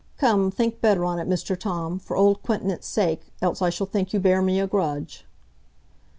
Come, think better on it, Mr Tom, for old 'quinetance' sake, else I shall think you bear me a grudge."